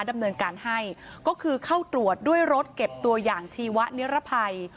ดำเนินการให้ก็คือเข้าตรวจด้วยรถเก็บตัวอย่างชีวะนิรภัย